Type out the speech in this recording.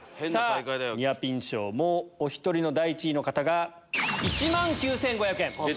ニアピン賞もうお１人の第１位の方が１万９５００円！